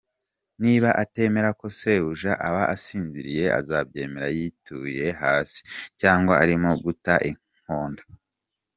niba atemera ko sebuja aba asinziriye azabyemera yituye hasi cyangwa arimo guta inkonda.